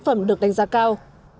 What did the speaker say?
phẩm được đánh giá cao